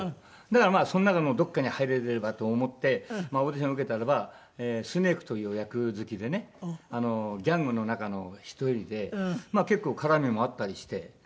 だからまあその中のどこかに入れればと思ってオーディション受けたらばスネイクという役付きでねギャングの中の１人でまあ結構絡みもあったりして。